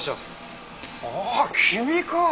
ああ君か！